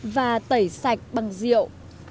và tẩy sạch bằng rượu